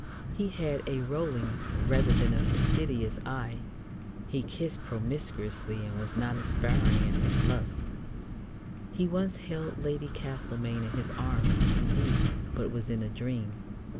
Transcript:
He had a rolling rather than a fastidious eye. He kissed promiscuously, and was not aspiring in his lusts. He once held Lady Castlemaine in his arms, indeed, but it was in a dream.